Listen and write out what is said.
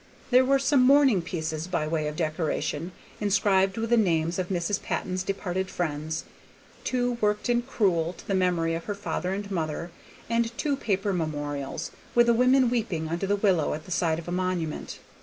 There were some mourning pieces by way of decoration, inscribed with the names of Mrs. Patton's departed friends, two worked in crewel to the memory of her father and mother, and two paper memorials, with the woman weeping under the willow at the side of a monument.